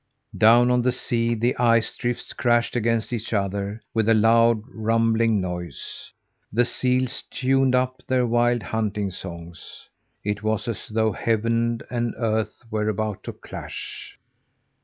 Down on the sea, the ice drifts crashed against each other with a loud rumbling noise. The seals tuned up their wild hunting songs. It was as though heaven and earth were, about to clash.